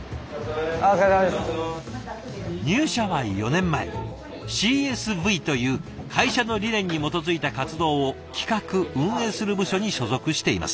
入社は４年前ＣＳＶという会社の理念に基づいた活動を企画運営する部署に所属しています。